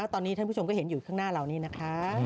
ตอนนี้ท่านผู้ชมก็เห็นอยู่ข้างหน้าเรานี่นะคะ